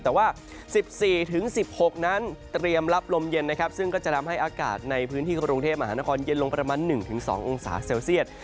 แต่ว่า๑๔๑๖นั้นเตรียมรับลมเย็นนะครับซึ่งก็จะทำให้อากาศในพื้นที่กรุงเทพมหานครเย็นลงประมาณ๑๒องศาเซลเซียต